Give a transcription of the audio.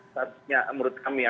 menurut kami ya